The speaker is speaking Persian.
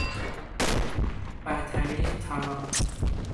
برتری طلا